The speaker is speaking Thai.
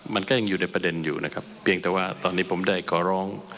มันก็ยังอยู่ในประเด็นอยู่นะครับเพียงแต่ว่าตอนนี้ผมได้ขอร้อง